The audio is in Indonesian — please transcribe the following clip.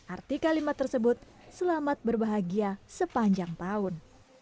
arti kalimat tersebut selamat berbahagia sepanjang tahun